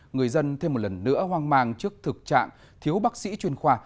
người dân thêm một lần nữa hoang mang trước thực trạng thiếu bác sĩ chuyên khoa